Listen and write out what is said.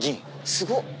すごっ。